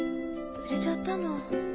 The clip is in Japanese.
売れちゃったの。